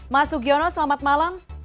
mas sugiono selamat malam